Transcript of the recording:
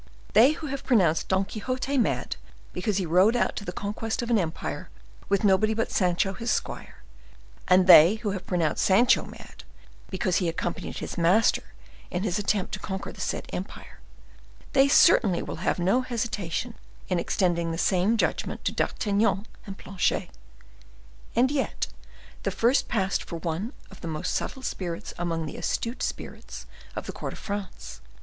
They who have pronounced Don Quixote mad because he rode out to the conquest of an empire with nobody but Sancho his squire, and they who have pronounced Sancho mad because he accompanied his master in his attempt to conquer the said empire,—they certainly will have no hesitation in extending the same judgment to D'Artagnan and Planchet. And yet the first passed for one of the most subtle spirits among the astute spirits of the court of France.